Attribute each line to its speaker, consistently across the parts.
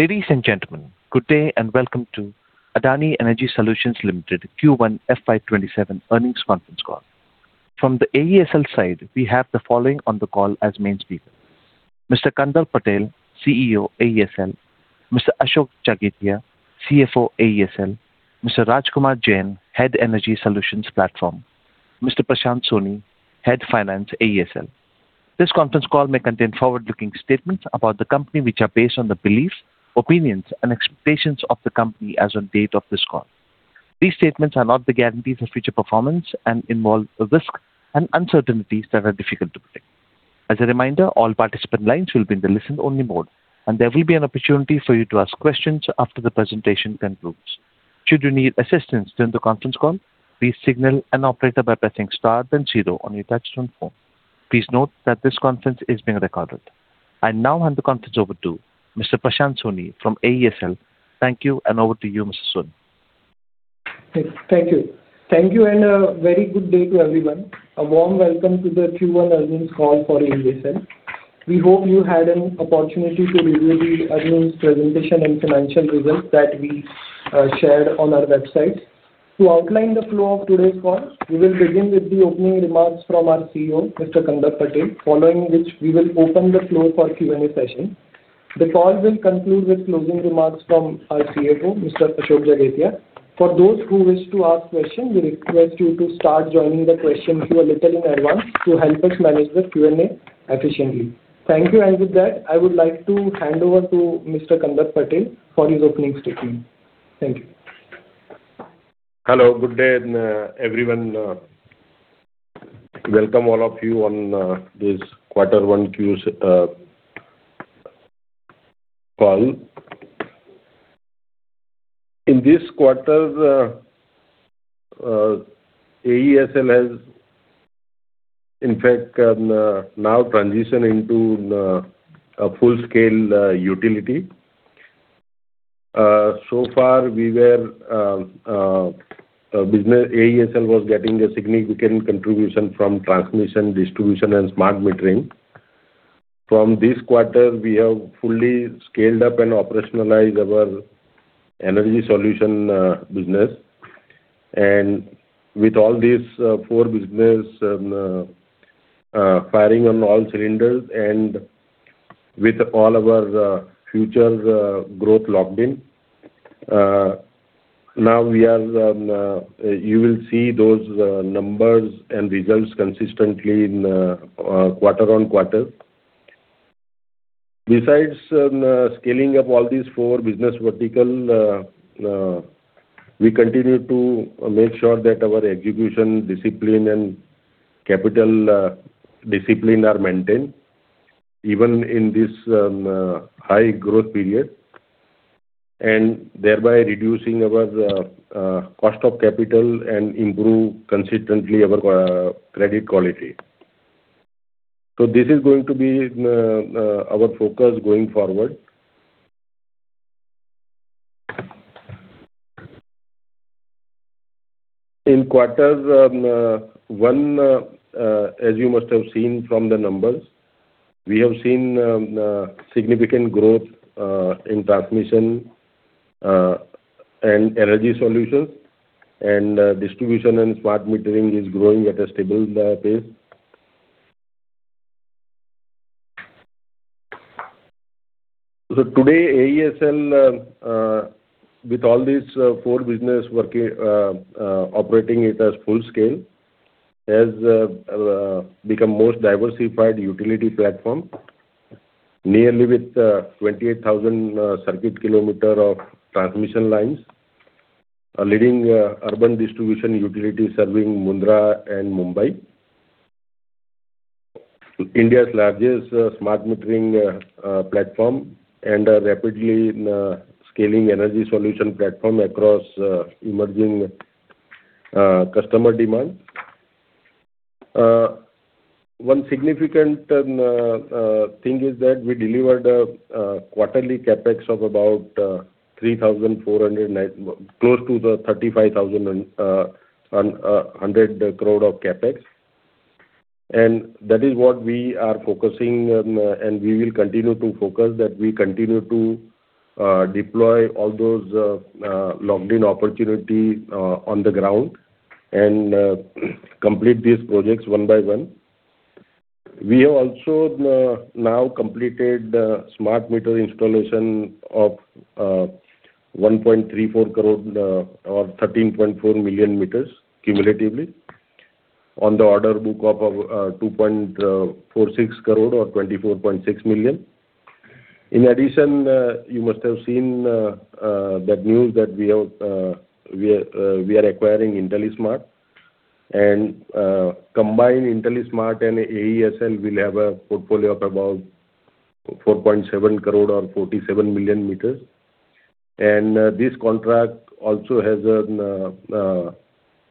Speaker 1: Ladies and gentlemen, good day and welcome to Adani Energy Solutions Limited Q1 FY 2027 earnings conference call. From the AESL side, we have the following on the call as main speaker. Mr. Kandarp Patel, CEO, AESL. Mr. Ashok Jagetiya, CFO, AESL. Mr. Raj Kumar Jain, Head Energy Solutions Platform. Mr. Prashant Soni, Head Finance, AESL. This conference call may contain forward-looking statements about the company, which are based on the beliefs, opinions, and expectations of the company as on date of this call. These statements are not the guarantees of future performance and involve risks and uncertainties that are difficult to predict. As a reminder, all participant lines will be in the listen-only mode, and there will be an opportunity for you to ask questions after the presentation concludes. Should you need assistance during the conference call, please signal an operator by pressing star then zero on your touch-tone phone. Please note that this conference is being recorded. I now hand the conference over to Mr. Prashant Soni from AESL. Thank you, and over to you, Mr. Soni.
Speaker 2: Thank you. Thank you and a very good day to everyone. A warm welcome to the Q1 earnings call for AESL. We hope you had an opportunity to review the earnings presentation and financial results that we shared on our website. To outline the flow of today's call, we will begin with the opening remarks from our CEO, Mr. Kandarp Patel, following which we will open the floor for Q&A session. The call will conclude with closing remarks from our CFO, Mr. Ashok Jagetiya. For those who wish to ask questions, we request you to start joining the questions a little in advance to help us manage the Q&A efficiently. Thank you. With that, I would like to hand over to Mr. Kandarp Patel for his opening statement. Thank you.
Speaker 3: Hello. Good day, everyone. Welcome all of you on this quarter one call. In this quarter, AESL has in fact now transitioned into a full-scale utility. So far, AESL was getting a significant contribution from transmission, distribution, and smart metering. From this quarter, we have fully scaled up and operationalized our energy solution business. With all these four business firing on all cylinders and with all of our future growth locked in, now you will see those numbers and results consistently quarter-on-quarter. Besides scaling up all these four business vertical, we continue to make sure that our execution discipline and capital discipline are maintained even in this high growth period, and thereby reducing our cost of capital and improve consistently our credit quality. This is going to be our focus going forward. In quarter one, as you must have seen from the numbers, we have seen significant growth in transmission and energy solutions, and distribution and smart metering is growing at a stable pace. Today, AESL, with all these four businesses operating at full scale, has become most diversified utility platform. Nearly with 28,000 circuit km of transmission lines, a leading urban distribution utility serving Mundra and Mumbai. India's largest smart metering platform and a rapidly scaling energy solutions platform across emerging customer demand. One significant thing is that we delivered a quarterly CapEx of close to 35,100 crore of CapEx. That is what we are focusing on, and we will continue to focus, that we continue to deploy all those locked-in opportunities on the ground and complete these projects one by one. We have also now completed smart meter installation of 1.34 crore or 13.4 million meters cumulatively on the order book of 2.46 crore or 24.6 million meters. In addition, you must have seen that news that we are acquiring IntelliSmart and combined IntelliSmart and AESL will have a portfolio of about 4.7 crore or 47 million meters. This contract also has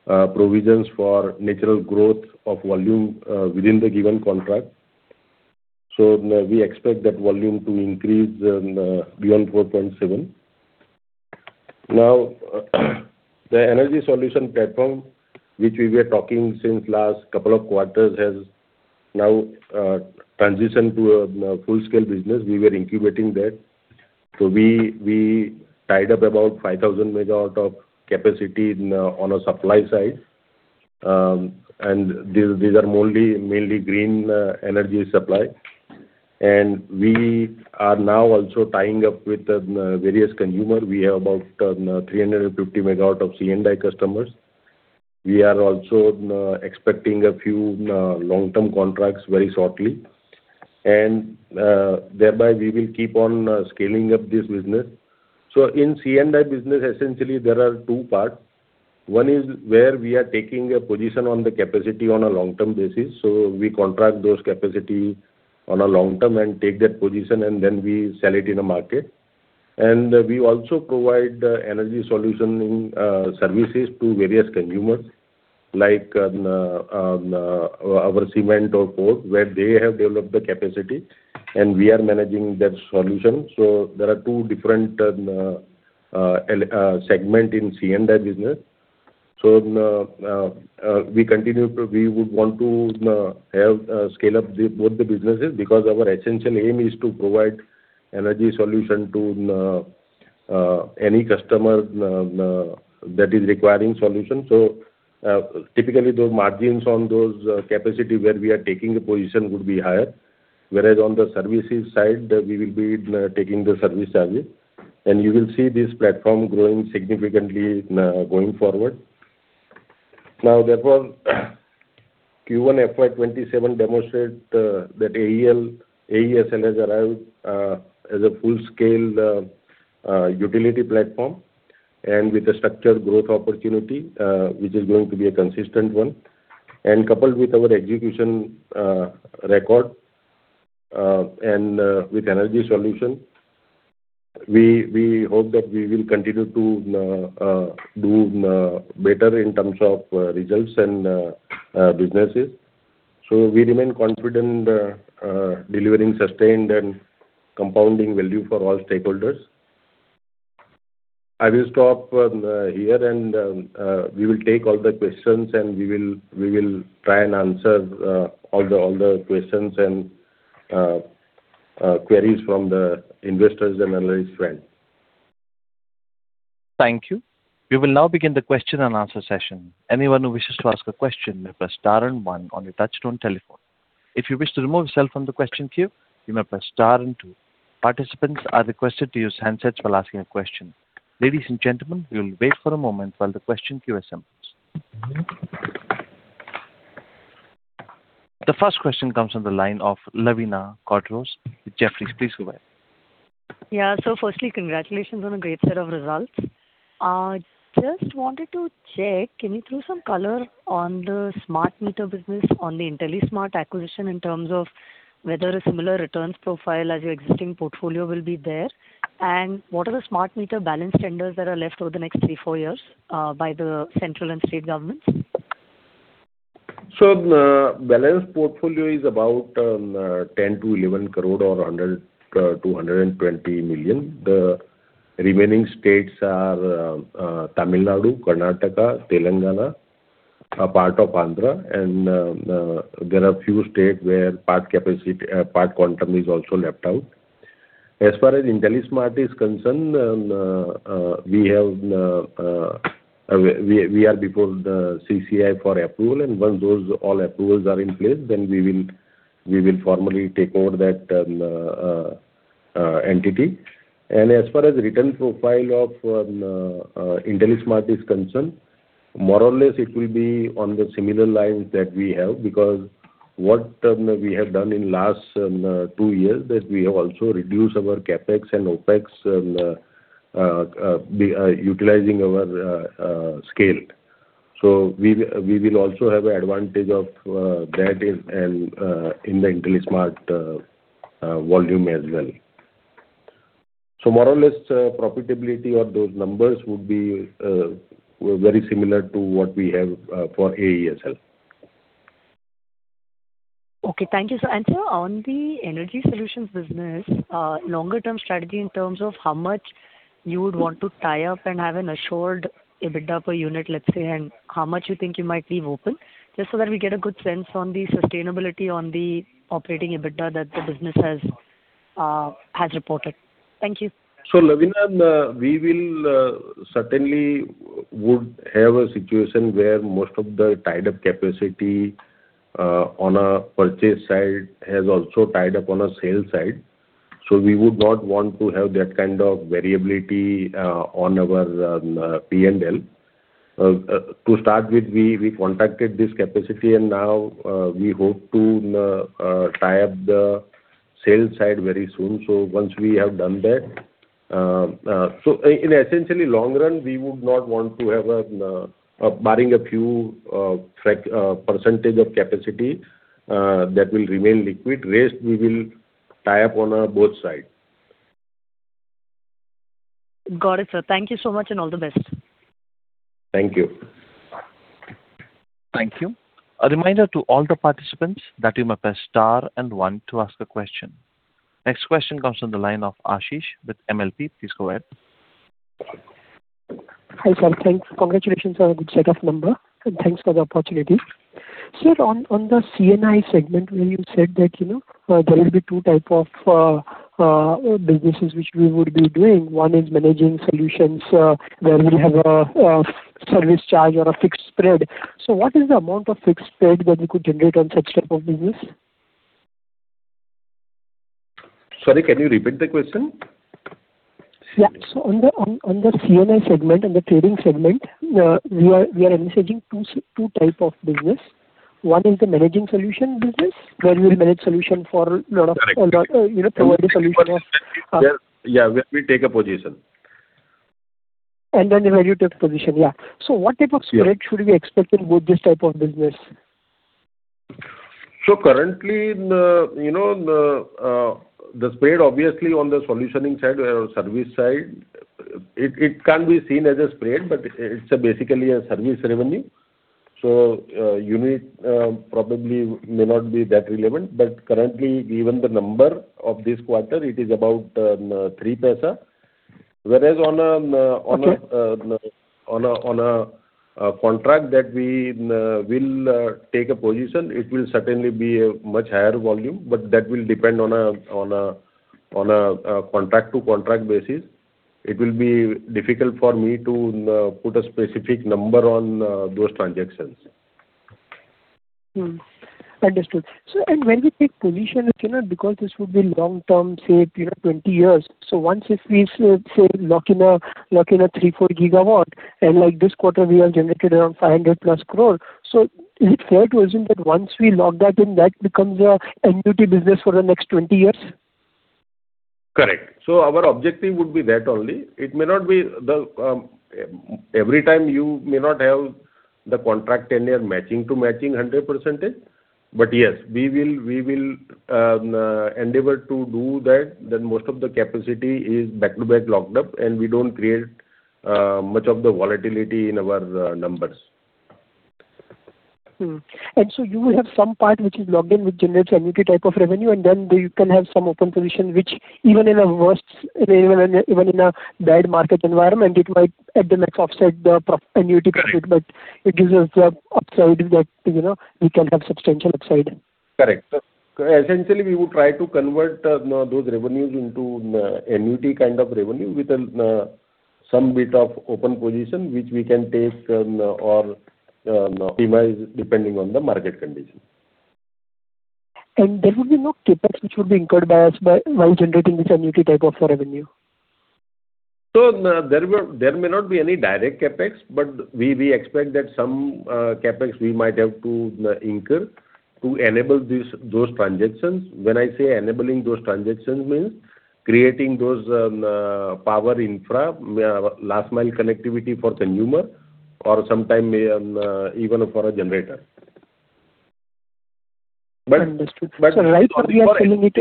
Speaker 3: provisions for natural growth of volume within the given contract. We expect that volume to increase beyond 4.7 crore. The energy solutions platform, which we were talking since last couple of quarters, has now transitioned to a full-scale business. We were incubating that. We tied up about 5,000 MW of capacity on a supply side. These are mainly green energy supply. We are now also tying up with various consumers. We have about 350 MW of C&I customers. We are also expecting a few long-term contracts very shortly, and thereby we will keep on scaling up this business. In C&I business, essentially there are two parts. One is where we are taking a position on the capacity on a long-term basis. We contract those capacities on a long-term and take that position, and then we sell it in a market. We also provide energy solutions services to various consumers, like our cement or port, where they have developed the capacity, and we are managing that solution. There are two different segments in C&I business. We would want to scale up both the businesses, because our essential aim is to provide energy solutions to any customer that is requiring solutions. Typically those margins on those capacities where we are taking a position would be higher, whereas on the services side, we will be taking the service charges. You will see this platform growing significantly going forward. Therefore Q1 FY 2027 demonstrates that AESL has arrived as a full-scale utility platform and with a structured growth opportunity, which is going to be a consistent one. Coupled with our execution record and with energy solutions, we hope that we will continue to do better in terms of results and businesses. We remain confident in delivering sustained and compounding value for all stakeholders. I will stop here and we will take all the questions, and we will try and answer all the questions and queries from the investors and analyst friends.
Speaker 1: Thank you. We will now begin the question-and-answer session. Anyone who wishes to ask a question may press star and one on your touch-tone telephone. If you wish to remove yourself from the question queue, you may press star and two. Participants are requested to use handsets while asking a question. Ladies and gentlemen, we will wait for a moment while the question queue assembles. The first question comes from the line of Lavina Quadros with Jefferies. Please go ahead.
Speaker 4: Yeah. Firstly, congratulations on a great set of results. Just wanted to check, can you throw some color on the smart meter business, on the IntelliSmart acquisition in terms of whether a similar returns profile as your existing portfolio will be there? What are the smart meter balance tenders that are left over the next three, four years by the central and state governments?
Speaker 3: Balance portfolio is about 10 crore to 11 crore or 100 million to 120 million. The remaining states are Tamil Nadu, Karnataka, Telangana, a part of Andhra, and there are few state where part quantum is also left out. As far as IntelliSmart is concerned, we are before the CCI for approval, once those all approvals are in place, we will formally take over that entity. As far as return profile of IntelliSmart is concerned, more or less it will be on the similar lines that we have, because what we have done in last two years, that we have also reduced our CapEx and OpEx, utilizing our scale. We will also have advantage of that in the IntelliSmart volume as well. More or less profitability or those numbers would be very similar to what we have for AESL.
Speaker 4: Okay. Thank you, sir. Sir, on the energy solutions business, longer term strategy in terms of how much you would want to tie up and have an assured EBITDA per unit, let's say, and how much you think you might leave open, just so that we get a good sense on the sustainability on the operating EBITDA that the business has reported. Thank you.
Speaker 3: Lavina, we will certainly would have a situation where most of the tied up capacity on a purchase side has also tied up on a sale side. We would not want to have that kind of variability on our P&L. To start with, we contracted this capacity and now we hope to tie up the sale side very soon. Once we have done that in essentially long run, we would not want to have, barring a few percentage of capacity that will remain liquid, rest we will tie up on both sides.
Speaker 4: Got it, sir. Thank you so much and all the best.
Speaker 3: Thank you.
Speaker 1: Thank you. A reminder to all the participants that you may press star and one to ask a question. Next question comes from the line of Ashish with MLP. Please go ahead.
Speaker 5: Hi, sir. Congratulations on a good set of numbers. Thanks for the opportunity. Sir, on the C&I segment where you said that there will be two type of businesses which we would be doing, one is managing solutions where we have a service charge or a fixed spread. What is the amount of fixed spread that we could generate on such type of business?
Speaker 3: Sorry, can you repeat the question?
Speaker 5: Yeah. On the C&I segment, on the trading segment, we are envisaging two types of business. One is the managing solution business, where we manage solution for lot of-
Speaker 3: Correct
Speaker 5: providing solution.
Speaker 3: Yeah, where we take a position.
Speaker 5: Then where you take position, yeah. What type of spread should we expect in both this type of business?
Speaker 3: Currently, the spread obviously on the solutioning side or service side, it can be seen as a spread, but it's basically a service revenue. Unit probably may not be that relevant. Currently, given the number of this quarter, it is about 0.03.
Speaker 5: Okay
Speaker 3: On a contract that we will take a position, it will certainly be a much higher volume, that will depend on a contract-to-contract basis. It will be difficult for me to put a specific number on those transactions.
Speaker 5: Understood. When we take position, because this would be long-term, say 20 years. Once if we, say, lock in a 3 GW-4 GW, like this quarter, we have generated around 500+ crore. Is it fair to assume that once we lock that in, that becomes an annuity business for the next 20 years?
Speaker 3: Correct. Our objective would be that only. Every time you may not have the contract tenure matching to matching 100%. Yes, we will endeavor to do that, then most of the capacity is back-to-back locked up, and we don't create much of the volatility in our numbers.
Speaker 5: You will have some part which is locked in with generates annuity type of revenue. You can have some open position which even in a bad market environment, it might at the max offset the annuity profit, but it gives us an upside that we can have substantial upside.
Speaker 3: Correct. Essentially, we would try to convert those revenues into annuity kind of revenue with some bit of open position, which we can take or revise depending on the market condition.
Speaker 5: There will be no CapEx which would be incurred by us while generating this annuity type of revenue?
Speaker 3: There may not be any direct CapEx, but we expect that some CapEx we might have to incur to enable those transactions. When I say enabling those transactions means creating those power infra, last mile connectivity for consumer or sometimes even for a generator.
Speaker 5: Understood. Right now we are selling it.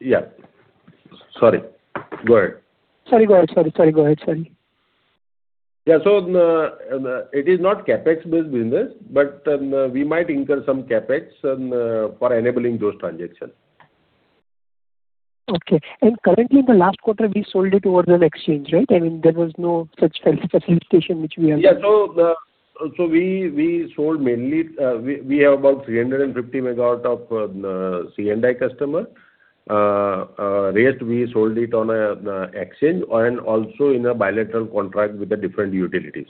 Speaker 3: Yeah. Sorry. Go ahead.
Speaker 5: Sorry, go ahead. Sorry.
Speaker 3: Yeah. It is not CapEx based business, but we might incur some CapEx for enabling those transactions.
Speaker 5: Okay. Currently in the last quarter, we sold it over an exchange, right? I mean, there was no such facilitation which we have.
Speaker 3: Yeah. We have about 350 MW of C&I customer. Rest we sold it on an exchange and also in a bilateral contract with the different utilities.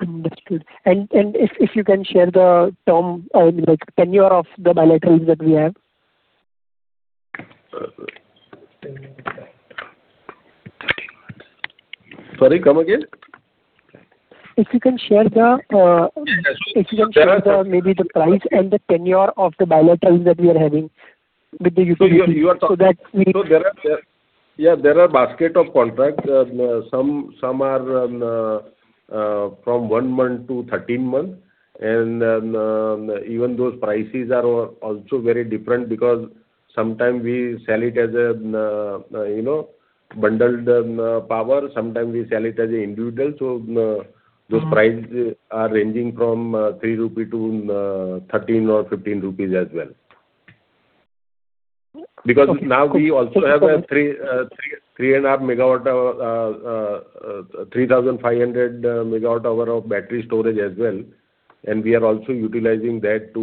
Speaker 5: Understood. If you can share the term, like tenure of the bilaterals that we have.
Speaker 3: Sorry, come again.
Speaker 5: If you can share maybe the price and the tenure of the bilaterals that we are having with the utility so that we
Speaker 3: Yeah, there are basket of contracts. Some are from 1 month to 13 month, even those prices are also very different because sometime we sell it as a bundled power, sometime we sell it as a individual. Those price are ranging from 3 rupee to 13 or 15 rupees as well. Now we also have a 3,500 MWh of battery storage as well, and we are also utilizing that to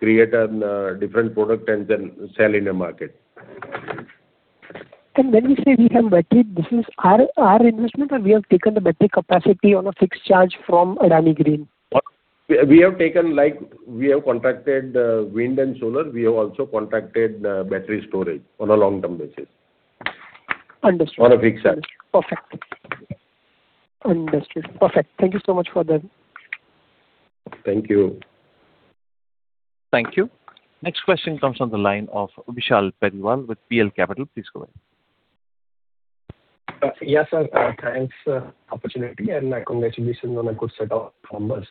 Speaker 3: create a different product and then sell in a market.
Speaker 5: When we say we have battery, this is our investment or we have taken the battery capacity on a fixed charge from Adani Green?
Speaker 3: We have contracted wind and solar, we have also contracted battery storage on a long-term basis.
Speaker 5: Understood.
Speaker 3: On a fixed charge.
Speaker 5: Perfect. Understood. Perfect. Thank you so much for that.
Speaker 3: Thank you.
Speaker 1: Thank you. Next question comes on the line of Vishal Periwal with PL Capital. Please go ahead.
Speaker 6: Yes, sir. Thanks, opportunity, and congratulations on a good set of numbers.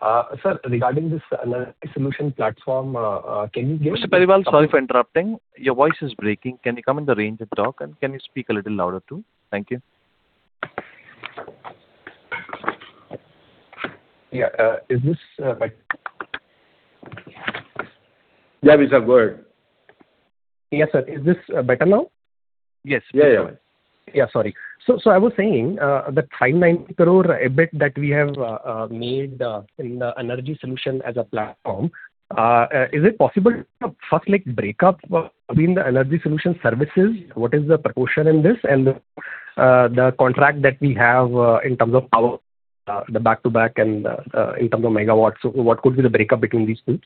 Speaker 6: Sir, regarding this energy solution platform, can you give
Speaker 1: Mr. Periwal, sorry for interrupting. Your voice is breaking. Can you come in the range and talk? Can you speak a little louder, too? Thank you.
Speaker 6: Yeah. Is this better?
Speaker 3: Yeah, Vishal, go ahead.
Speaker 6: Yes, sir. Is this better now?
Speaker 1: Yes.
Speaker 3: Yeah.
Speaker 6: Yeah, sorry. I was saying that 590 crore EBIT that we have made in the energy solution as a platform, is it possible to first break up between the energy solution services, what is the proportion in this, and the contract that we have in terms of power, the back-to-back and in terms of megawatts. What could be the breakup between these two?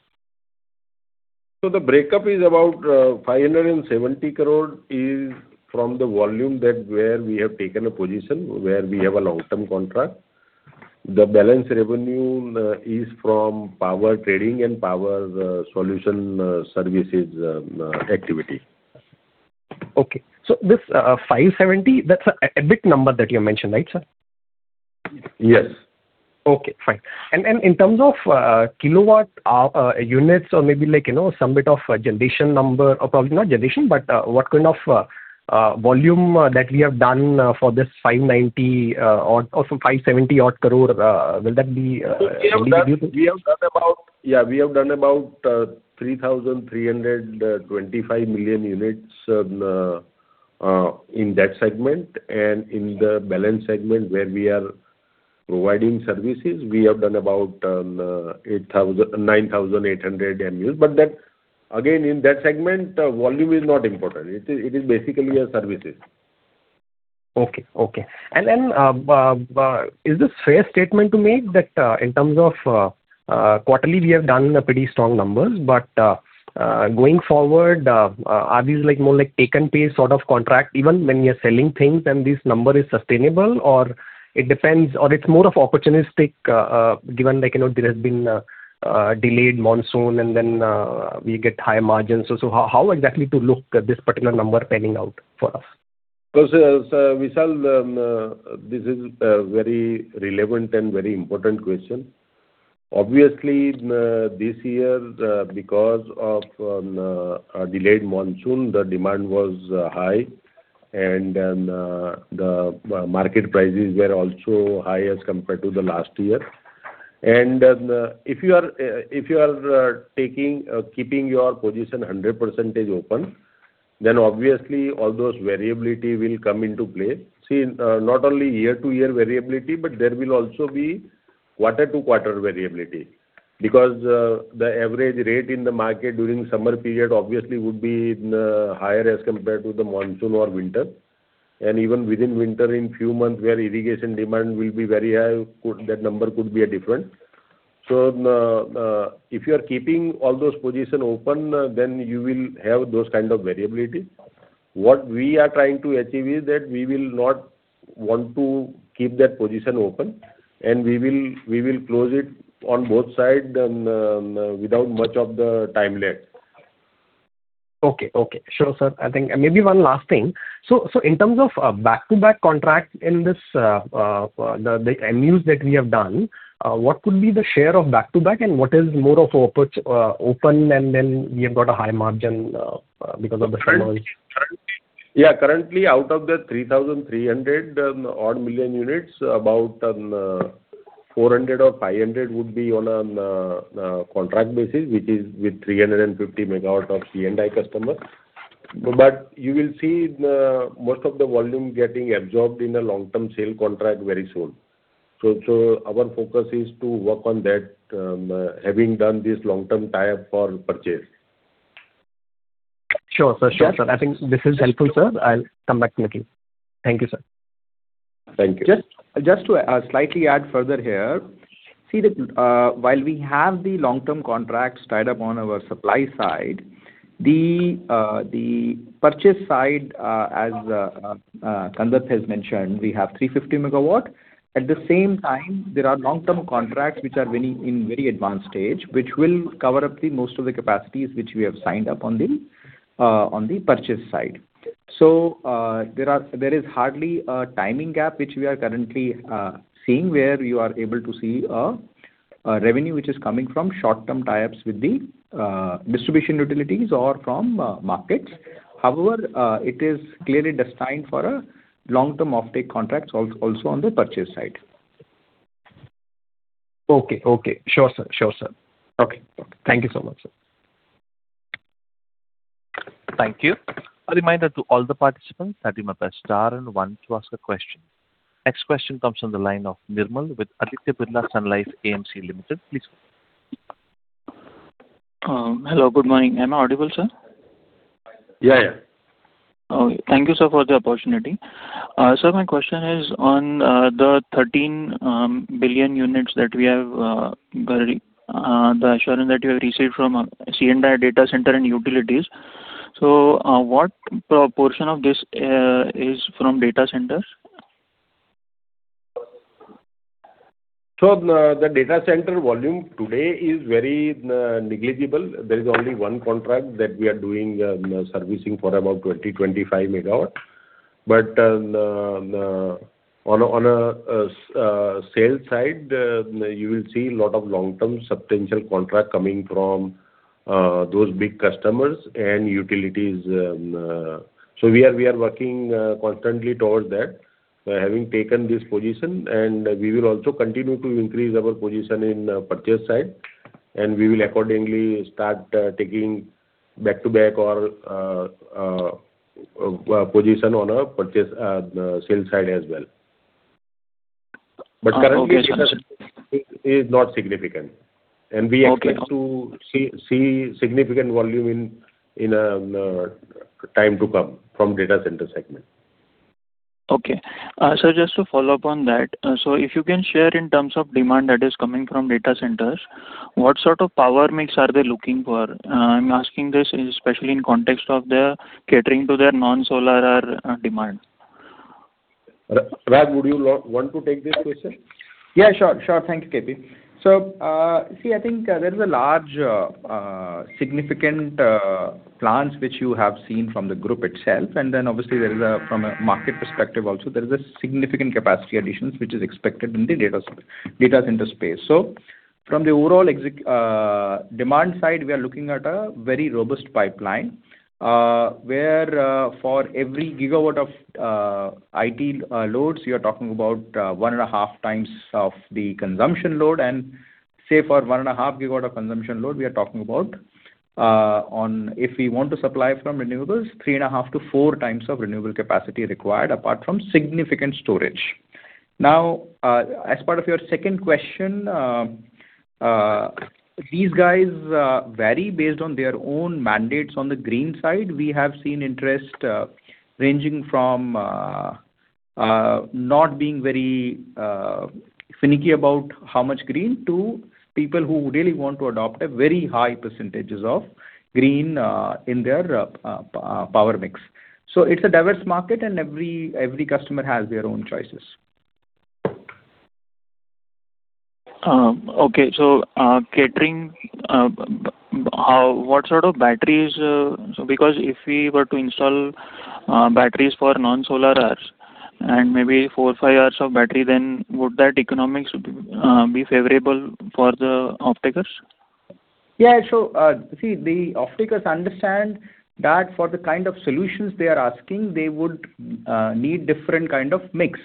Speaker 3: The breakup is about 570 crore is from the volume where we have taken a position, where we have a long-term contract. The balance revenue is from power trading and power solution services activity.
Speaker 6: Okay. This 570 crore, that's an EBIT number that you mentioned, right, sir?
Speaker 3: Yes.
Speaker 6: Okay, fine. In terms of kilowatt units or maybe some bit of generation number, or probably not generation, but what kind of volume that we have done for this 590 crore or 570 odd crore, will that be available?
Speaker 3: We have done about 3,325 million units in that segment, and in the balance segment where we are providing services, we have done about 9,800 MUs. Again, in that segment, volume is not important. It is basically a services.
Speaker 6: Okay. Is this fair statement to make that in terms of quarterly, we have done pretty strong numbers, but going forward, are these more like take and pay sort of contract, even when we are selling things and this number is sustainable? It's more of opportunistic, given there has been a delayed monsoon and then we get high margins. How exactly to look at this particular number panning out for us?
Speaker 3: Vishal, this is a very relevant and very important question. Obviously, this year, because of a delayed monsoon, the demand was high, and then the market prices were also high as compared to the last year. If you are keeping your position 100% open, then obviously all those variability will come into play. See, not only year-to-year variability, but there will also be quarter-to-quarter variability. The average rate in the market during summer period obviously would be higher as compared to the monsoon or winter. Even within winter, in few months where irrigation demand will be very high, that number could be different. If you are keeping all those position open, then you will have those kind of variability. What we are trying to achieve is that we will not want to keep that position open, and we will close it on both sides without much of the time lag.
Speaker 6: Okay. Sure, sir. Maybe one last thing. In terms of back-to-back contract in this, the MUs that we have done, what could be the share of back-to-back and what is more of open and then we have got a high margin.
Speaker 3: Currently, out of the 3,300 odd million units, about 400 million units or 500 million units would be on a contract basis, which is with 350 MW of C&I customer. You will see most of the volume getting absorbed in a long-term sale contract very soon. Our focus is to work on that, having done this long-term tie-up for purchase.
Speaker 6: Sure, sir. I think this is helpful, sir. I'll come back to you again. Thank you, sir.
Speaker 3: Thank you.
Speaker 7: Just to slightly add further here. While we have the long-term contracts tied up on our supply side, the purchase side, as Kandarp has mentioned, we have 350 MW. At the same time, there are long-term contracts which are in very advanced stage, which will cover up the most of the capacities which we have signed up on the purchase side. There is hardly a timing gap which we are currently seeing, where you are able to see a revenue which is coming from short-term tie-ups with the distribution utilities or from markets. It is clearly destined for long-term offtake contracts also on the purchase side.
Speaker 6: Okay. Sure, sir. Okay. Thank you so much, sir.
Speaker 1: Thank you. A reminder to all the participants that you may press star and one to ask a question. Next question comes from the line of Nirmal with Aditya Birla Sun Life AMC Limited. Please go ahead.
Speaker 8: Hello, good morning. Am I audible, sir?
Speaker 3: Yeah.
Speaker 8: Okay. Thank you, sir, for the opportunity. Sir, my question is on the 13 billion units, the assurance that you have received from C&I data center and utilities. What proportion of this is from data centers?
Speaker 3: The data center volume today is very negligible. There is only one contract that we are doing servicing for about 20 MW-25 MW. On a sales side, you will see a lot of long-term substantial contracts coming from those big customers and utilities. We are working constantly towards that, having taken this position, and we will also continue to increase our position in purchase side, and we will accordingly start taking back-to-back or position on a sales side as well.
Speaker 8: Okay.
Speaker 3: Currently, data center is not significant.
Speaker 8: Okay.
Speaker 3: We expect to see significant volume in time to come from data center segment.
Speaker 8: Okay. Sir, just to follow up on that. If you can share in terms of demand that is coming from data centers, what sort of power mix are they looking for? I'm asking this especially in context of their catering to their non-solar demand.
Speaker 3: Raj, would you want to take this question?
Speaker 7: Yes. Sure. Thanks, KP. See, I think there is a large, significant plans which you have seen from the group itself, obviously there is from a market perspective also, there is a significant capacity additions, which is expected in the data center space. From the overall demand side, we are looking at a very robust pipeline, where for every gigawatt of IT loads, you're talking about 1.5x of the consumption load. Say, for 1.5 GW of consumption load, we are talking about, if we want to supply from renewables, 3.5x-4x of renewable capacity required, apart from significant storage. As part of your second question, these guys vary based on their own mandates. On the green side, we have seen interest ranging from not being very finicky about how much green, to people who really want to adopt a very high percentages of green in their power mix. It's a diverse market, and every customer has their own choices.
Speaker 8: Okay. Catering, what sort of batteries because if we were to install batteries for non-solar hours and maybe four or five hours of battery, then would that economics be favorable for the offtakers?
Speaker 7: Yeah, sure. The offtakers understand that for the kind of solutions they are asking, they would need different kind of mix.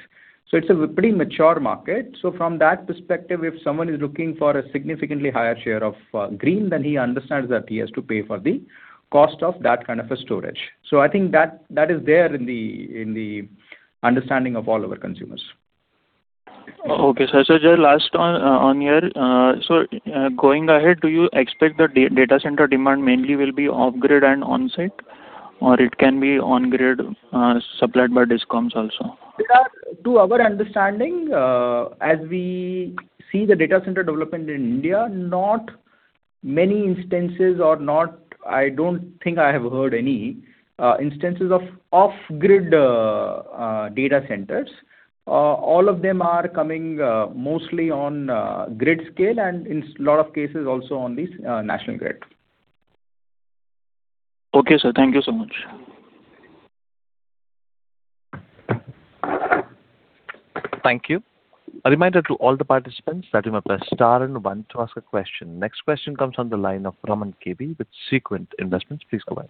Speaker 7: It's a pretty mature market. From that perspective, if someone is looking for a significantly higher share of green, then he understands that he has to pay for the cost of that kind of a storage. I think that is there in the understanding of all our consumers.
Speaker 8: Okay, sir. Just last on here. Going ahead, do you expect the data center demand mainly will be off grid and on-site, or it can be on grid supplied by DISCOMs also?
Speaker 7: To our understanding, as we see the data center development in India, not many instances or I don't think I have heard any instances of off-grid data centers. All of them are coming mostly on grid scale and in lot of cases also on the national grid.
Speaker 8: Okay, sir. Thank you so much.
Speaker 1: Thank you. A reminder to all the participants that you may press star and one to ask a question. Next question comes on the line of Raman K.V. with Sequent Investments. Please go ahead.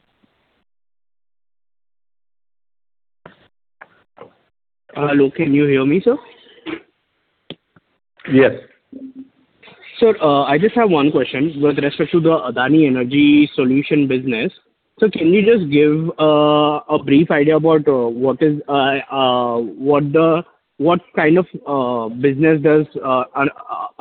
Speaker 9: Hello, can you hear me, sir?
Speaker 3: Yes.
Speaker 9: Sir, I just have one question with respect to the Adani Energy Solutions business. Sir, can you just give a brief idea about what kind of business does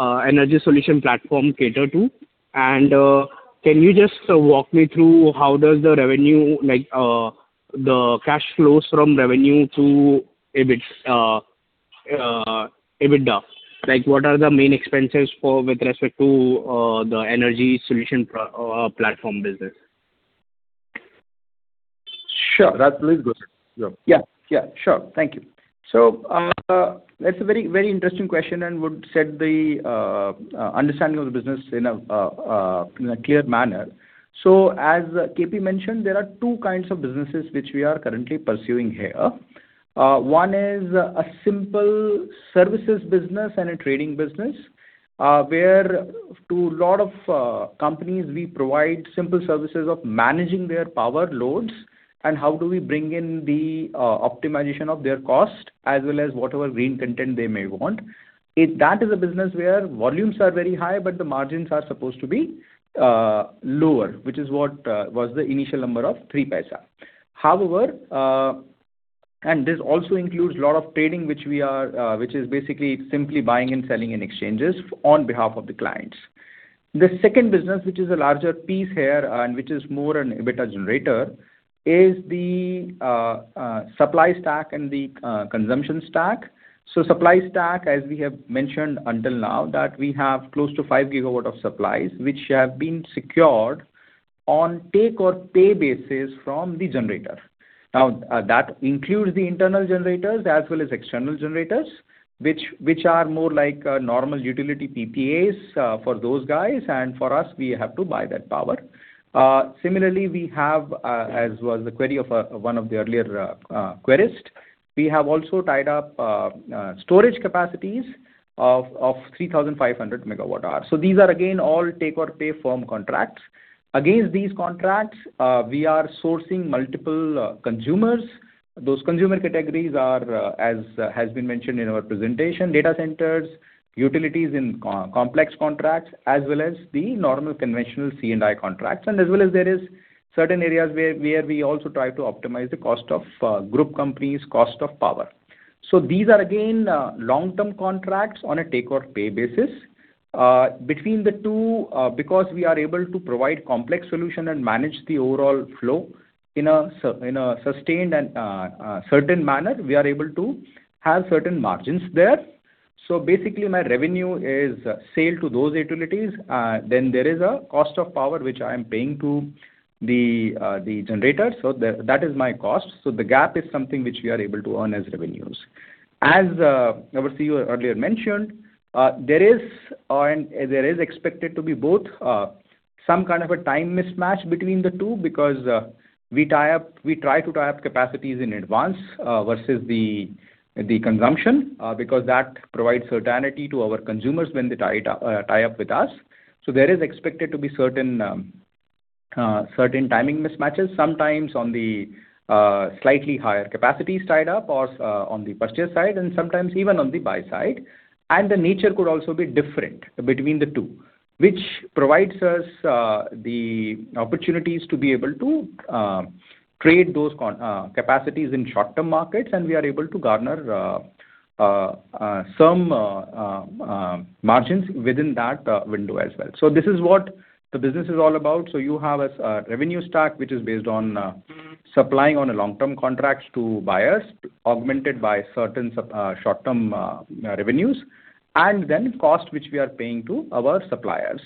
Speaker 9: Energy Solutions platform cater to? Can you just walk me through how does the revenue, like the cash flows from revenue to EBITDA? What are the main expenses with respect to the Energy Solutions platform business?
Speaker 7: Sure.
Speaker 3: Raj, please go ahead. Yeah.
Speaker 7: Yeah, sure. Thank you. That's a very interesting question and would set the understanding of the business in a clear manner. As KP mentioned, there are two kinds of businesses which we are currently pursuing here. One is a simple services business and a trading business, where to lot of companies, we provide simple services of managing their power loads and how do we bring in the optimization of their cost, as well as whatever green content they may want. That is a business where volumes are very high, but the margins are supposed to be lower, which is what was the initial number of 0.03. However, this also includes a lot of trading, which is basically simply buying and selling in exchanges on behalf of the clients. The second business, which is a larger piece here and which is more an EBITDA generator, is the supply stack and the consumption stack. Supply stack, as we have mentioned until now, that we have close to 5 GW of supplies, which have been secured on take or pay basis from the generator. Now, that includes the internal generators as well as external generators, which are more like normal utility PPAs for those guys, and for us, we have to buy that power. Similarly, we have, as was the query of one of the earlier querist, we have also tied up storage capacities of 3,500 MWh. These are, again, all take or pay firm contracts. Against these contracts, we are sourcing multiple consumers. Those consumer categories are, as has been mentioned in our presentation, data centers, utilities in complex contracts, as well as the normal conventional C&I contracts, and as well as there is certain areas where we also try to optimize the cost of group companies, cost of power. These are again, long-term contracts on a take or pay basis. Between the two, because we are able to provide complex solution and manage the overall flow in a sustained and certain manner, we are able to have certain margins there. Basically, my revenue is sale to those utilities. There is a cost of power, which I am paying to the generator. That is my cost. The gap is something which we are able to earn as revenues. As our CEO earlier mentioned, there is expected to be both some kind of a time mismatch between the two because we try to tie up capacities in advance versus the consumption because that provides certainty to our consumers when they tie up with us. There is expected to be certain timing mismatches, sometimes on the slightly higher capacities tied up or on the purchase side and sometimes even on the buy side. The nature could also be different between the two, which provides us the opportunities to be able to trade those capacities in short-term markets and we are able to garner some margins within that window as well. This is what the business is all about. You have a revenue stack which is based on supplying on a long-term contracts to buyers, augmented by certain short-term revenues, and then cost which we are paying to our suppliers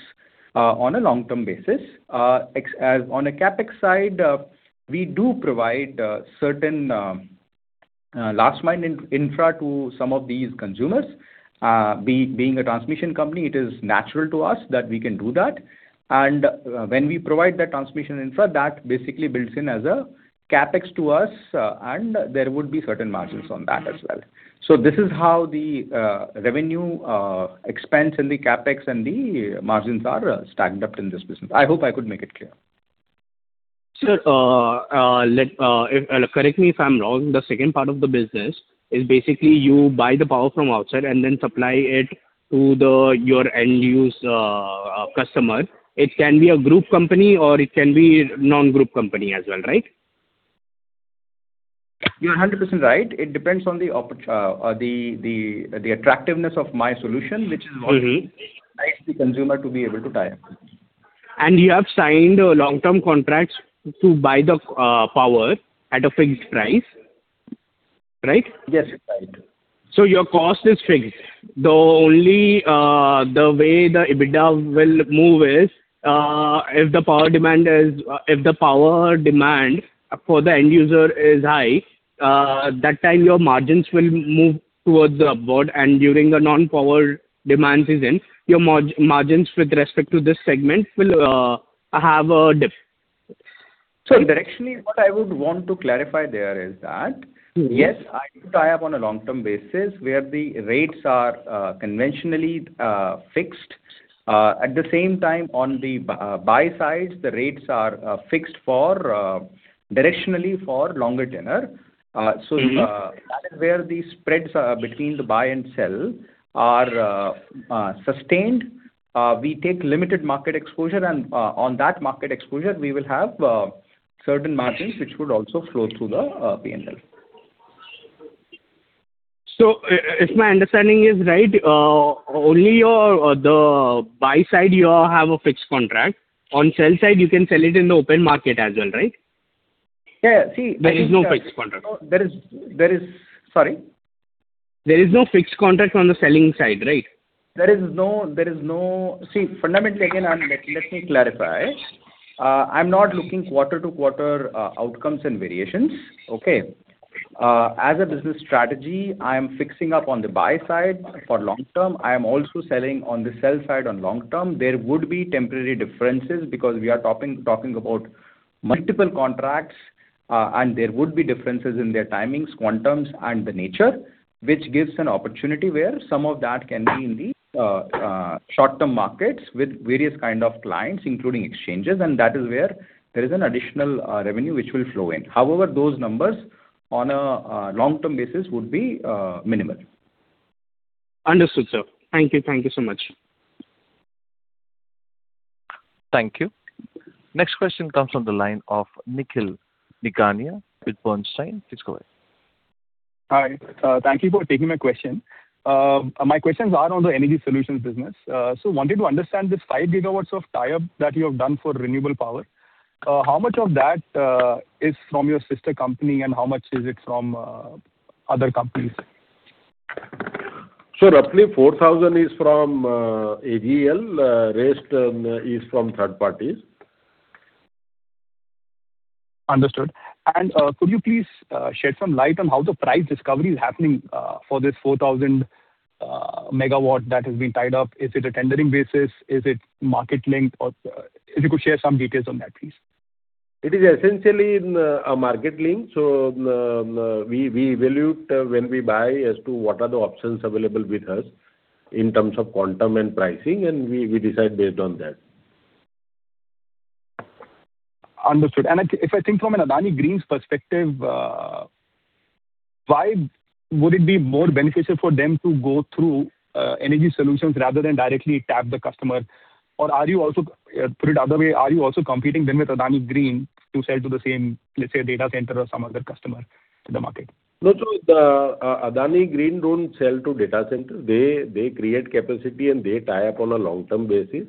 Speaker 7: on a long-term basis. On a CapEx side, we do provide certain last mile infra to some of these consumers. Being a transmission company, it is natural to us that we can do that. When we provide that transmission infra, that basically builds in as a CapEx to us, and there would be certain margins on that as well. This is how the revenue expense and the CapEx and the margins are stacked up in this business. I hope I could make it clear.
Speaker 9: Sir, correct me if I'm wrong. The second part of the business is basically you buy the power from outside and then supply it to your end-use customer. It can be a group company or it can be non-group company as well, right?
Speaker 7: You're 100% right. It depends on the attractiveness of my solution, which is what makes the consumer to be able to tie up.
Speaker 9: You have signed long-term contracts to buy the power at a fixed price, right?
Speaker 7: Yes, right.
Speaker 9: Your cost is fixed. The only way the EBITDA will move is if the power demand for the end-user is high, that time your margins will move towards the upward and during the non-power demand season, your margins with respect to this segment will have a dip.
Speaker 7: Directionally, what I would want to clarify there is that, yes, I could tie up on a long-term basis where the rates are conventionally fixed. At the same time, on the buy side, the rates are fixed directionally for longer tenure. That is where the spreads between the buy and sell are sustained. We take limited market exposure and on that market exposure we will have certain margins which would also flow through the P&L.
Speaker 9: If my understanding is right, only the buy side you have a fixed contract. On sell side you can sell it in the open market as well, right?
Speaker 7: Yeah.
Speaker 9: There is no fixed contract.
Speaker 7: Sorry?
Speaker 9: There is no fixed contract on the selling side, right?
Speaker 7: See, fundamentally, again, let me clarify. I'm not looking quarter-to-quarter outcomes and variations. Okay? As a business strategy, I am fixing up on the buy side for long term. I am also selling on the sell side on long-term. There would be temporary differences because we are talking about multiple contracts, and there would be differences in their timings, quantums, and the nature, which gives an opportunity where some of that can be in the short-term markets with various kind of clients, including exchanges, and that is where there is an additional revenue which will flow in. However, those numbers on a long-term basis would be minimal.
Speaker 9: Understood, sir. Thank you. Thank you so much.
Speaker 1: Thank you. Next question comes from the line of Nikhil Nigania with Bernstein. Please go ahead.
Speaker 10: Hi. Thank you for taking my question. My questions are on the energy solutions business. wanted to understand this 5 GW of tie-up that you have done for renewable power. How much of that is from your sister company and how much is it from other companies?
Speaker 3: Sir, roughly 4,000 MW is from AGL, rest is from third parties.
Speaker 10: Understood. Could you please shed some light on how the price discovery is happening for this 4,000 MW that has been tied up? Is it a tendering basis? Is it market link? If you could share some details on that, please.
Speaker 3: It is essentially a market link. We evaluate when we buy as to what are the options available with us in terms of quantum and pricing, we decide based on that.
Speaker 10: Understood. If I think from an Adani Green's perspective, why would it be more beneficial for them to go through energy solutions rather than directly tap the customer? Put it the other way, are you also competing then with Adani Green to sell to the same, let's say, data center or some other customer to the market?
Speaker 3: No. Adani Green don't sell to data centers. They create capacity and they tie up on a long-term basis,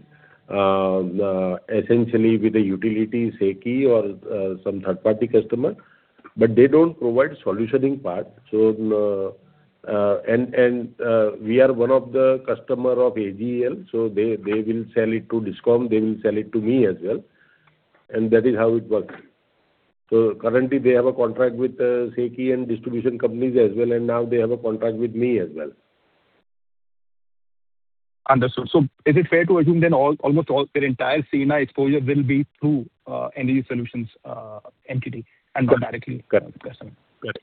Speaker 3: essentially with the utility, SECI or some third-party customer. They don't provide solutioning part. We are one of the customer of AGL, so they will sell it to DISCOM, they will sell it to me as well. That is how it works. Currently they have a contract with SECI and distribution companies as well, and now they have a contract with me as well.
Speaker 10: Understood. Is it fair to assume then almost their entire C&I exposure will be through Energy Solutions entity and not directly to the customer?
Speaker 3: Correct.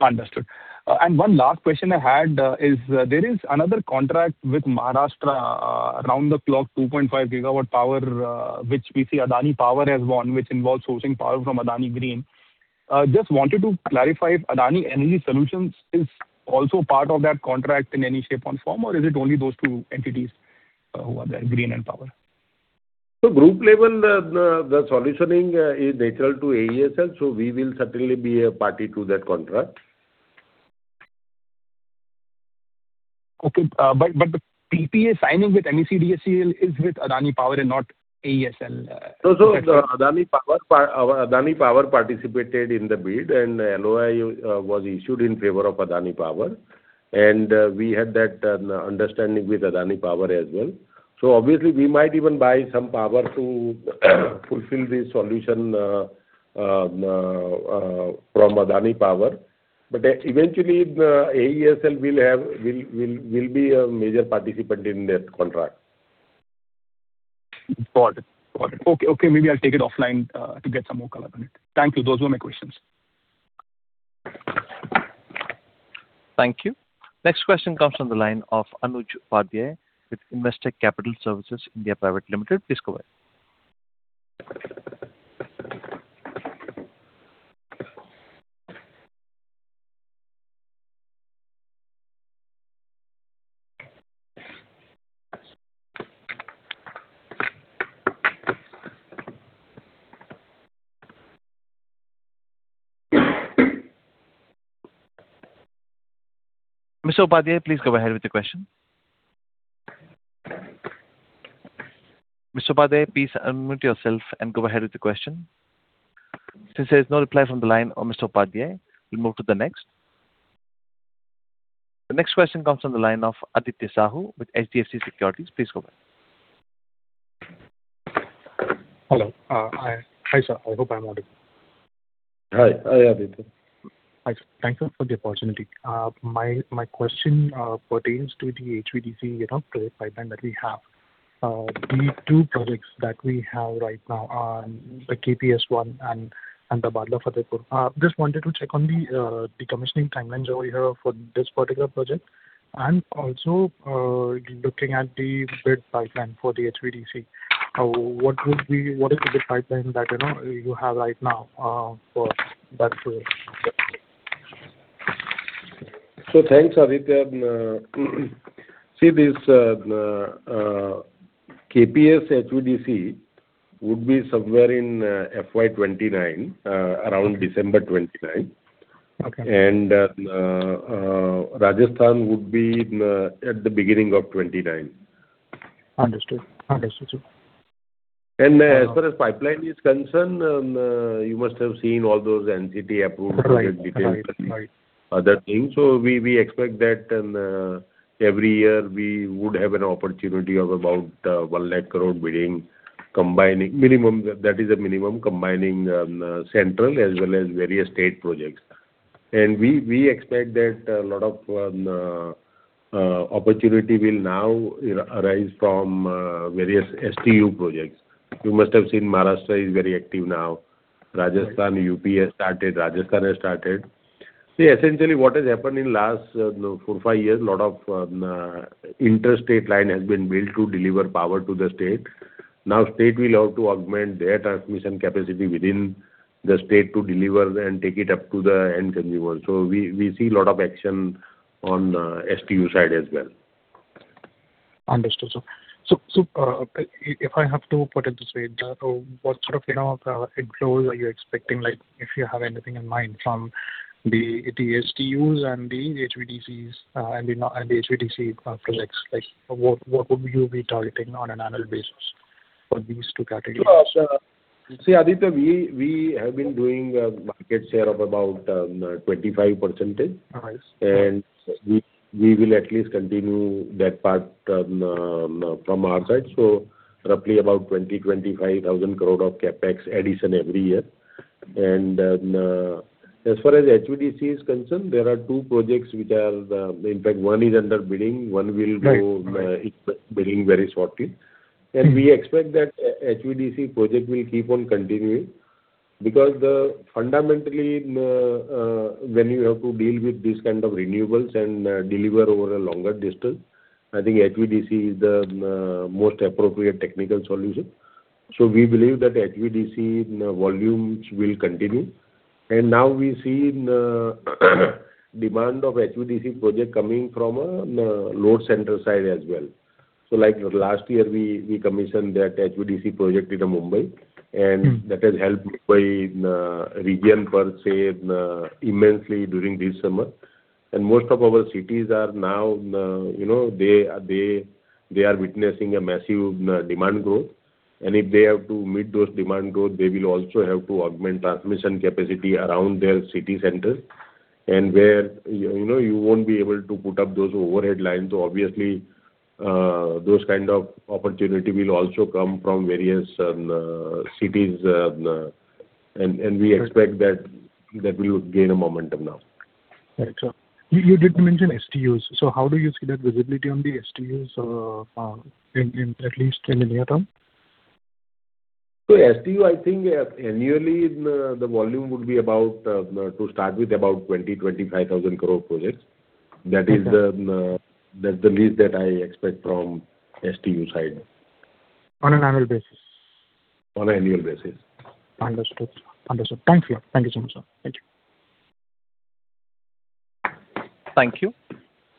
Speaker 10: Understood. One last question I had is, there is another contract with Maharashtra around the clock, 2.5 GW power, which we see Adani Power has won, which involves sourcing power from Adani Green. Just wanted to clarify if Adani Energy Solutions is also part of that contract in any shape or form, or is it only those two entities who are there, Green and Power?
Speaker 3: Group level, the solutioning is natural to AESL, we will certainly be a party to that contract.
Speaker 10: Okay. PPA signing with MSEDCL is with Adani Power and not AESL.
Speaker 3: Adani Power participated in the bid, LOI was issued in favor of Adani Power. We had that understanding with Adani Power as well. Obviously we might even buy some power to fulfill this solution from Adani Power. Eventually, AESL will be a major participant in that contract.
Speaker 10: Got it. Okay. Maybe I'll take it offline to get some more color on it. Thank you. Those were my questions.
Speaker 1: Thank you. Next question comes from the line of Anuj Upadhyay with Investec Capital Services India Private Limited. Please go ahead. Mr. Upadhyay, please go ahead with your question. Mr. Upadhyay, please unmute yourself and go ahead with the question. Since there's no reply from the line of Mr. Upadhyay, we'll move to the next. The next question comes from the line of Aditya Sahu with HDFC Securities. Please go ahead.
Speaker 11: Hello. Hi, sir. I hope I'm audible.
Speaker 3: Hi, Aditya.
Speaker 11: Hi, sir. Thank you for the opportunity. My question pertains to the HVDC project pipeline that we have. The two projects that we have right now are the KPS-I and the Bhadla-Fatehpur. Just wanted to check on the decommissioning timelines over here for this particular project, and also, looking at the bid pipeline for the HVDC, what is the bid pipeline that you have right now for that project?
Speaker 3: Thanks, Aditya. See, this KPS HVDC would be somewhere in FY 2029, around December 2029.
Speaker 11: Okay.
Speaker 3: Rajasthan would be at the beginning of 2029.
Speaker 11: Understood, sir.
Speaker 3: As far as pipeline is concerned, you must have seen all those NCT approved project details.
Speaker 11: Right
Speaker 3: Other things. We expect that every year we would have an opportunity of about 1 lakh crore bidding, that is a minimum, combining central as well as various state projects. We expect that a lot of opportunity will now arise from various STU projects. You must have seen Maharashtra is very active now. Rajasthan, U.P. has started. Rajasthan has started. See, essentially what has happened in last four, five years, lot of interstate line has been built to deliver power to the state. Now state will have to augment their transmission capacity within the state to deliver and take it up to the end consumer. We see lot of action on STU side as well.
Speaker 11: Understood, sir. If I have to put it this way, what sort of inflows are you expecting, if you have anything in mind, from the STUs and the HVDC projects? What would you be targeting on an annual basis for these two categories?
Speaker 3: See, Aditya, we have been doing a market share of about 25%.
Speaker 11: Nice.
Speaker 3: We will at least continue that part from our side. Roughly about 20,000 crore-25,000 crore of CapEx addition every year. As far as HVDC is concerned, there are two projects, in fact, one is under bidding, one will go bidding very shortly. We expect that HVDC project will keep on continuing because fundamentally, when you have to deal with these kind of renewables and deliver over a longer distance, I think HVDC is the most appropriate technical solution. We believe that HVDC volumes will continue. Now we see demand of HVDC project coming from load center side as well. Like last year, we commissioned that HVDC project in Mumbai, and that has helped Mumbai region per se immensely during this summer. Most of our cities are now witnessing a massive demand growth. If they have to meet those demand growth, they will also have to augment transmission capacity around their city center and where you won't be able to put up those overhead lines. Obviously, those kind of opportunity will also come from various cities, and we expect that will gain a momentum now.
Speaker 11: Right, sir. You did mention STUs. How do you see that visibility on the STUs, at least in the near-term?
Speaker 3: STU, I think annually, the volume would be about, to start with, about 20,000 crore-25,000 crore projects. That is the least that I expect from STU side.
Speaker 11: On an annual basis.
Speaker 3: On annual basis.
Speaker 11: Understood. Thank you. Thank you so much, sir. Thank you.
Speaker 1: Thank you.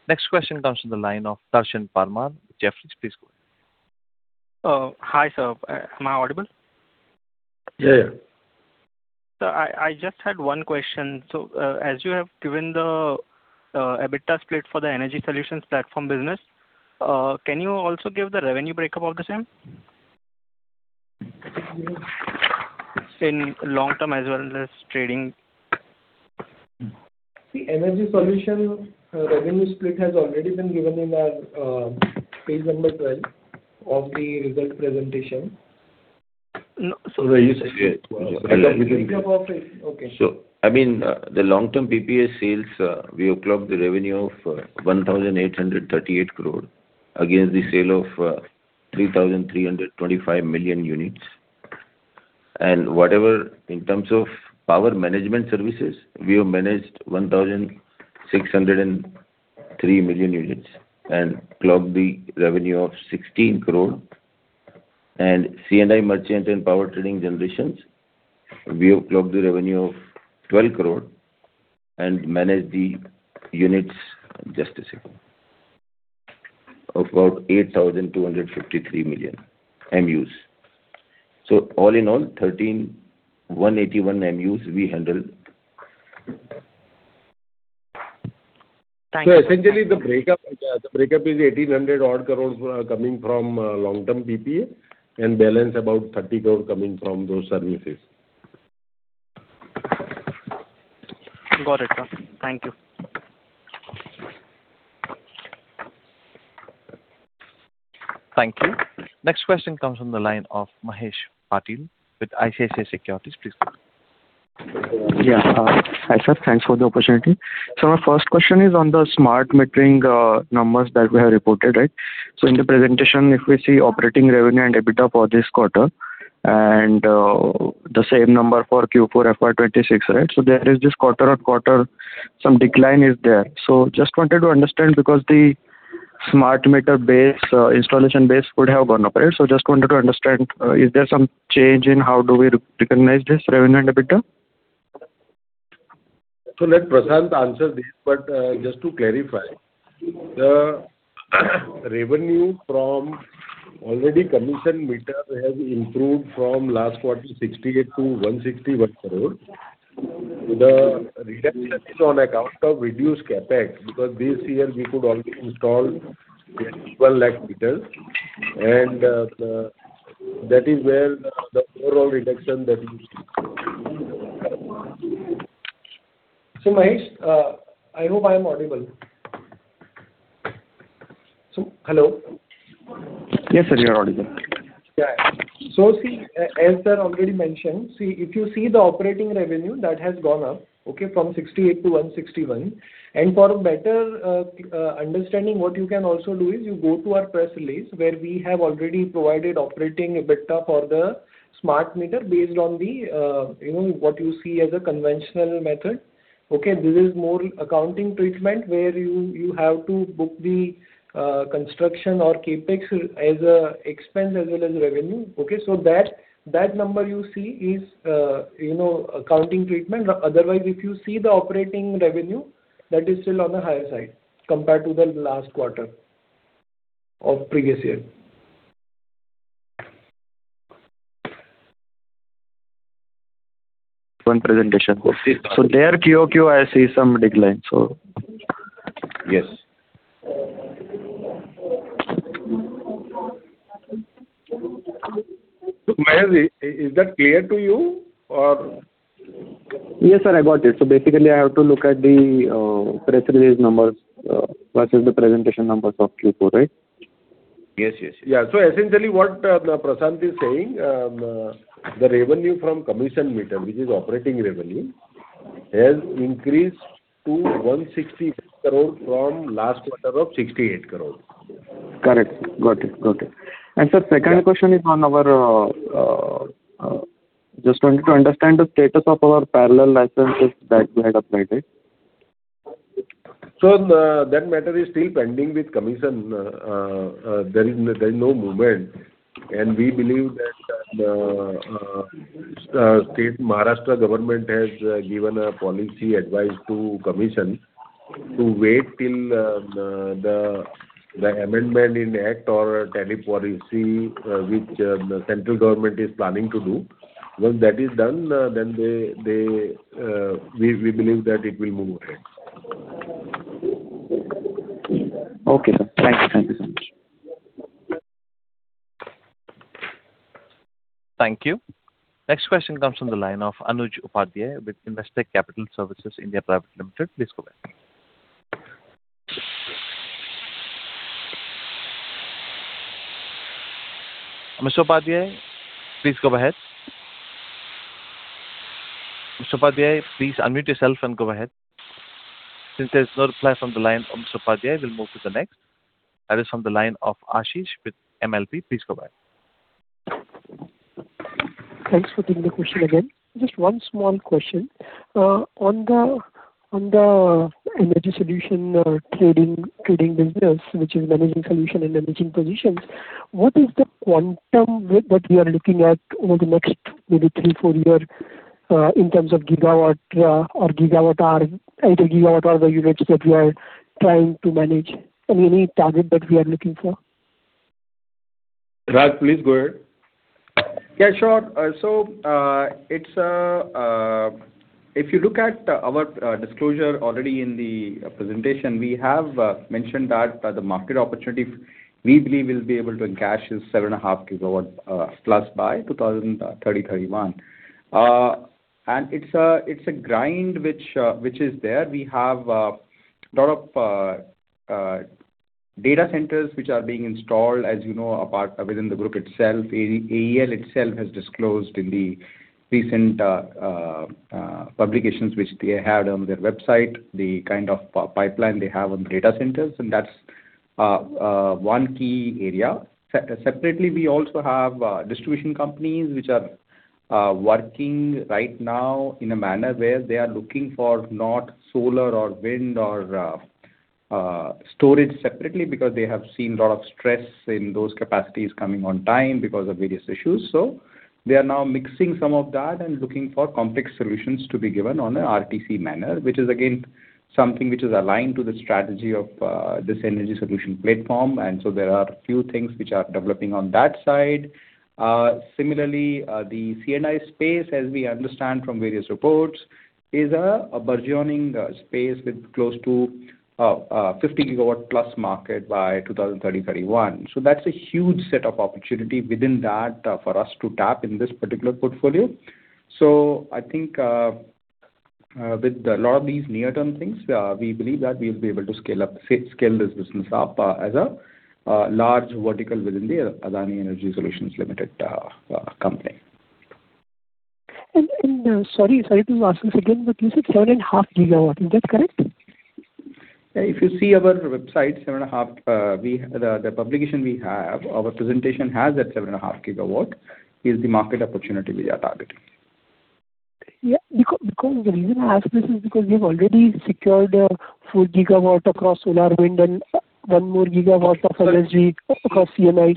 Speaker 1: Next question comes from the line of Darshan Parmar, Jefferies. Please go ahead.
Speaker 12: Hi, sir. Am I audible?
Speaker 3: Yeah.
Speaker 12: Sir, I just had one question. As you have given the EBITDA split for the Energy Solutions Platform business, can you also give the revenue breakup of the same in long term as well as trading?
Speaker 2: The Energy Solutions revenue split has already been given in our page number 12 of the result presentation.
Speaker 12: No.
Speaker 3: Yeah.
Speaker 12: Breakup of it. Okay.
Speaker 3: The long-term PPA sales, we have clocked the revenue of 1,838 crore against the sale of 3,325 million units. Whatever in terms of power management services, we have managed 1,603 million units and clocked the revenue of 16 crore. C&I merchant and power trading generations, we have clocked the revenue of 12 crore and managed the units, just a second, of about 8,253 million MUs. All in all, 13,181 MUs we handled.
Speaker 12: Thank you.
Speaker 3: Essentially, the breakup is 1,800 odd crores coming from long-term PPA and balance about 30 crore coming from those services.
Speaker 12: Got it, sir. Thank you.
Speaker 1: Thank you. Next question comes from the line of Mahesh Patil with ICICI Securities. Please go ahead.
Speaker 13: Yes. Hi, sir. Thanks for the opportunity. My first question is on the smart metering numbers that we have reported, right? In the presentation, if we see operating revenue and EBITDA for this quarter and the same number for Q4 FY 2026, right? There is this quarter-on-quarter, some decline is there. Just wanted to understand because the smart meter base, installation base could have gone up, right? Just wanted to understand, is there some change in how do we recognize this revenue and EBITDA?
Speaker 3: Let Prashant answer this, but just to clarify, the revenue from already commissioned meter has improved from last quarter, 68 crore to 161 crore. The reduction is on account of reduced CapEx, because this year we could only install 12 lakh meters, and that is where the overall reduction that you see.
Speaker 2: Mahesh, I hope I am audible. Hello.
Speaker 13: Yes, sir, you're audible.
Speaker 2: See, as sir already mentioned, if you see the operating revenue, that has gone up, okay, from 68 crore to 161 crore. For a better understanding, what you can also do is you go to our press release where we have already provided operating EBITDA for the smart meter based on what you see as a conventional method. Okay? This is more accounting treatment where you have to book the construction or CapEx as an expense as well as revenue. Okay? That number you see is accounting treatment. Otherwise, if you see the operating revenue, that is still on the higher side compared to the last quarter of previous year.
Speaker 13: One presentation. Their quarter-over-quarter, I see some decline.
Speaker 3: Yes. Mahesh, is that clear to you or?
Speaker 13: Yes, sir, I got it. Basically, I have to look at the press release numbers versus the presentation numbers of Q4, right? Yes.
Speaker 3: Yeah. Essentially what Prashant is saying, the revenue from commissioned meter, which is operating revenue, has increased to 160 crore from last quarter of 68 crore.
Speaker 13: Correct. Got it. Sir, second question is, just wanted to understand the status of our parallel licenses that we had applied it.
Speaker 3: That matter is still pending with Commission. There is no movement. We believe that the state Maharashtra Government has given a policy advice to Commission to wait till the amendment in act or tariff policy, which the central Government is planning to do. Once that is done, we believe that it will move ahead.
Speaker 13: Okay, sir. Thank you so much.
Speaker 1: Thank you. Next question comes from the line of Anuj Upadhyay with Investec Capital Services (India) Private Limited. Please go ahead. Mr. Upadhyay, please go ahead. Mr. Upadhyay, please unmute yourself and go ahead. Since there's no reply from the line of Mr. Upadhyay, we'll move to the next. That is from the line of Ashish with MLP. Please go ahead.
Speaker 5: Thanks for taking the question again. Just one small question. On the energy solution trading business, which is managing solution and managing positions, what is the quantum that we are looking at over the next maybe three, four year, in terms of gigawatt or gigawatt hour? Either gigawatt or the units that we are trying to manage. Any target that we are looking for?
Speaker 3: Raj, please go ahead.
Speaker 7: Yeah, sure. If you look at our disclosure already in the presentation, we have mentioned that the market opportunity we believe we'll be able to cash is 7.5 GW+ by 2030-2031. It's a grind which is there. We have a lot of data centers which are being installed, as you know, within the group itself. AEL itself has disclosed in the recent publications, which they had on their website, the kind of pipeline they have on data centers, and that's one key area. Separately, we also have distribution companies which are working right now in a manner where they are looking for not solar or wind or storage separately because they have seen lot of stress in those capacities coming on time because of various issues. They are now mixing some of that and looking for complex solutions to be given on a RTC manner, which is again, something which is aligned to the strategy of this energy solution platform. There are few things which are developing on that side. Similarly, the C&I space, as we understand from various reports, is a burgeoning space with close to 50 GW+ market by 2030-2031. That's a huge set of opportunity within that for us to tap in this particular portfolio. I think with a lot of these near-term things, we believe that we will be able to scale this business up as a large vertical within the Adani Energy Solutions Limited company.
Speaker 5: Sorry to ask this again, but you said 7.5 GW, is that correct?
Speaker 7: If you see our website, the publication we have, our presentation has that 7.5 GW Is the market opportunity we are targeting.
Speaker 5: Yeah. The reason I ask this is because we have already secured 4GW across solar, wind, and one more gigawatt of energy across C&I.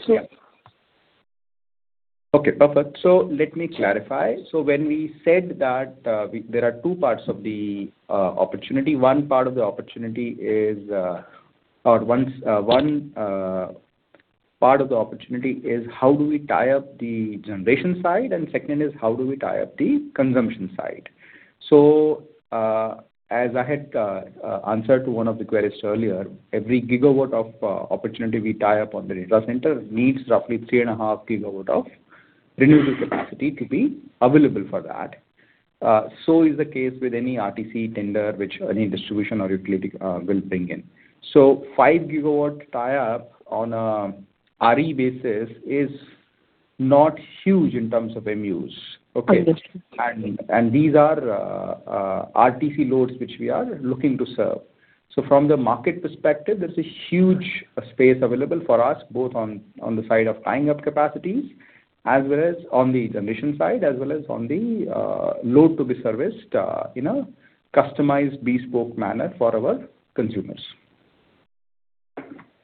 Speaker 7: Let me clarify. When we said that there are two parts of the opportunity. One part of the opportunity is how do we tie up the generation side, and second is how do we tie up the consumption side. As I had answered to one of the queries earlier, every gigawatt of opportunity we tie up on the data center needs roughly three and a half gigawatt of renewable capacity to be available for that. Is the case with any RTC tender, which any distribution or utility will bring in. 5 GW tie up on a RE basis is not huge in terms of MUs. Okay.
Speaker 5: Understood.
Speaker 7: These are RTC loads which we are looking to serve. From the market perspective, there's a huge space available for us, both on the side of tying up capacities, as well as on the generation side, as well as on the load to be serviced in a customized bespoke manner for our consumers.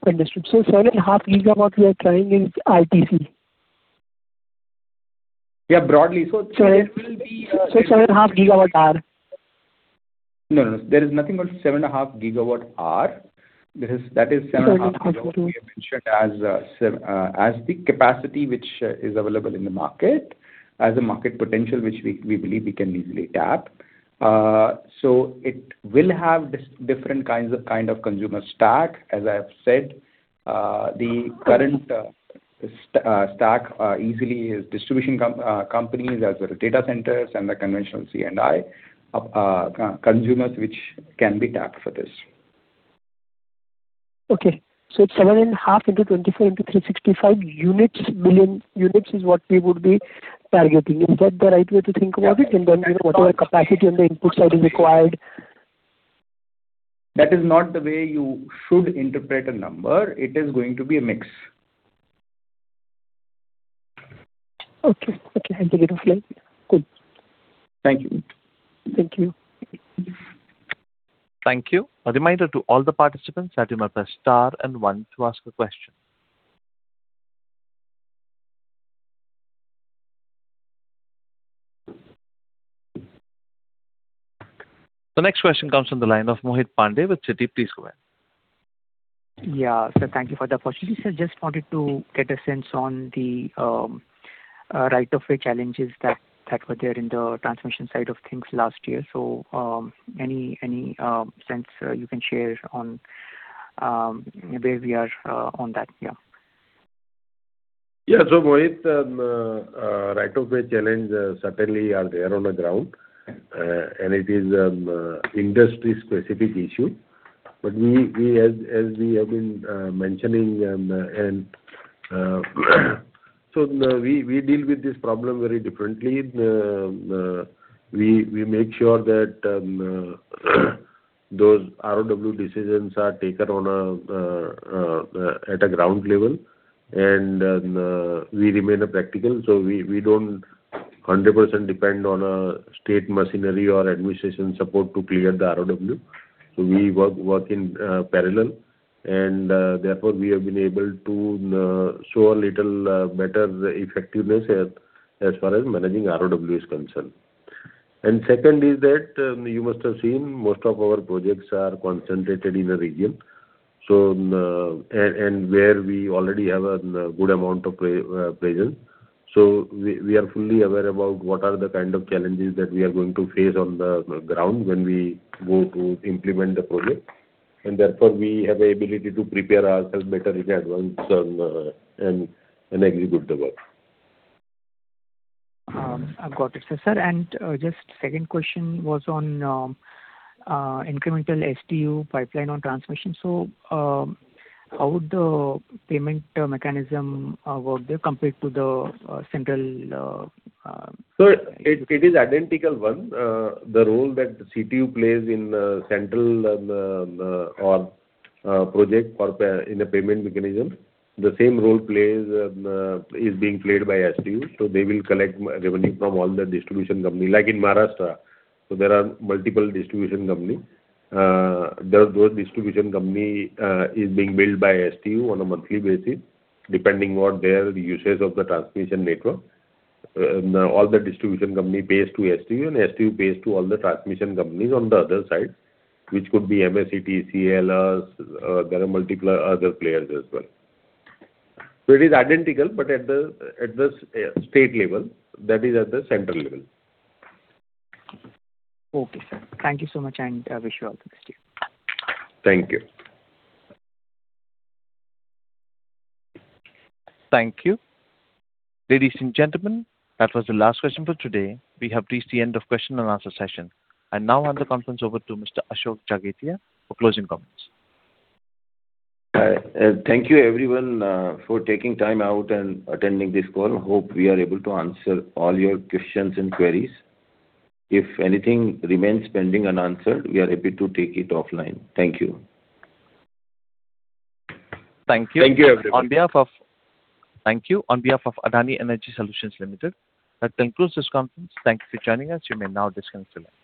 Speaker 5: Understood. 7.5 GW we are tying in RTC?
Speaker 7: Yeah, broadly. It will be-
Speaker 5: 7.5 GWh?
Speaker 7: No. There is nothing called 7.5 GWh. That is 7.5 GW we have mentioned as the capacity which is available in the market, as a market potential, which we believe we can easily tap. It will have different kinds of consumer stack. As I have said the current stack easily is DISCOMs as well as data centers and the conventional C&I consumers, which can be tapped for this.
Speaker 5: Okay. It's 7.5 GW into [inaudible] into 365 billion units is what we would be targeting. Is that the right way to think about it? Whatever capacity on the input side is required.
Speaker 3: That is not the way you should interpret a number. It is going to be a mix.
Speaker 5: Okay. I take it offline. Good.
Speaker 3: Thank you.
Speaker 5: Thank you.
Speaker 1: Thank you. A reminder to all the participants that you may press star and one to ask a question. The next question comes from the line of Mohit Pandey with Citi. Please go ahead.
Speaker 14: Yeah. Sir, thank you for the opportunity. Sir, just wanted to get a sense on the right of way challenges that were there in the transmission side of things last year. Any sense you can share on where we are on that? Yeah.
Speaker 3: Yeah. Mohit, right of way challenge certainly are there on the ground, and it is industry specific issue. As we have been mentioning, we deal with this problem very differently. We make sure that, those RoW decisions are taken at a ground level. And, we remain practical. We don't 100% depend on state machinery or administration support to clear the RoW. We work in parallel, and therefore, we have been able to show a little better effectiveness as far as managing RoW is concerned. Second is that, you must have seen most of our projects are concentrated in a region, and where we already have a good amount of presence. We are fully aware about what are the kind of challenges that we are going to face on the ground when we go to implement the project. Therefore, we have the ability to prepare ourselves better in advance and execute the work.
Speaker 14: I've got it, sir. Just second question was on incremental STU pipeline on transmission. How would the payment mechanism work there compared to the central-
Speaker 3: It is identical one. The role that the CTU plays in central or project in a payment mechanism, the same role is being played by STU. They will collect revenue from all the distribution company. Like in Maharashtra, there are multiple distribution company. Those distribution company is being billed by STU on a monthly basis, depending on their usage of the transmission network. All the distribution company pays to STU, and STU pays to all the transmission companies on the other side, which could be MSETCL, CLS, there are multiple other players as well. It is identical, but at the state level, that is at the central level.
Speaker 14: Okay, sir. Thank you so much, and wish you all the best.
Speaker 3: Thank you.
Speaker 1: Thank you. Ladies and gentlemen, that was the last question for today. We have reached the end of question-and-answer session. I now hand the conference over to Mr. Ashok Jagetiya for closing comments.
Speaker 15: Thank you everyone, for taking time out and attending this call. Hope we are able to answer all your questions and queries. If anything remains pending unanswered, we are happy to take it offline. Thank you.
Speaker 1: Thank you.
Speaker 3: Thank you, everyone.
Speaker 1: Thank you. On behalf of Adani Energy Solutions Limited, that concludes this conference. Thank you for joining us. You may now disconnect the line.